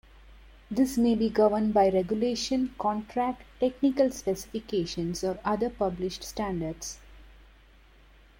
This may be governed by regulation, contract, technical specifications or other published standards.